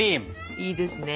いいですね。